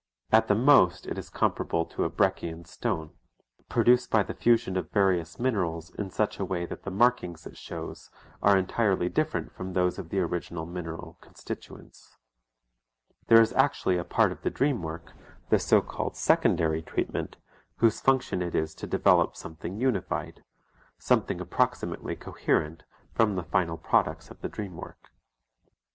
At the most it is comparable to a Breccian stone, produced by the fusion of various minerals in such a way that the markings it shows are entirely different from those of the original mineral constituents. There is actually a part of the dream work, the so called secondary treatment, whose function it is to develop something unified, something approximately coherent from the final products of the dream work.